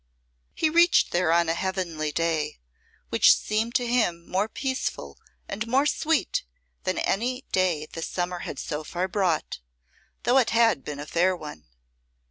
He reached there on a heavenly day, which seemed to him more peaceful and more sweet than any day the summer had so far brought, though it had been a fair one.